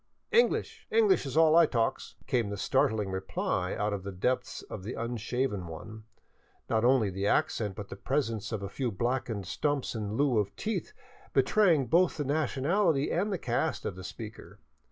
" English ! English is all I talks," came the startling reply out of. the depths of the unshaven one, not only the accent but the presence of; a few blackened stumps in lieu of teeth betraying both the nationality and the caste of the speaker.